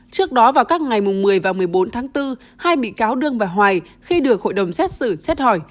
trước đó vào các ngày một mươi và một mươi bốn tháng bốn hai bị cáo đương và hoài khi được hội đồng xét xử xét hỏi